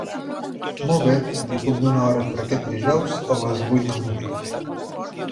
Molt bé, li puc donar hora per aquest dijous a les vuit del matí.